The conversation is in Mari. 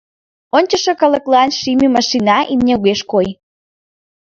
Ончышо калыклан шийме машина, имне огеш кой.